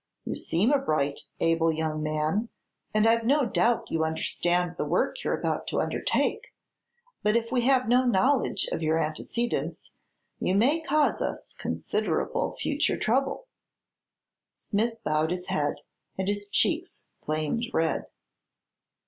You seem a bright, able young man, and I've no doubt you understand the work you're about to undertake, but if we have no knowledge of your antecedents you may cause us considerable future trouble." Smith bowed his head and his cheeks flamed red.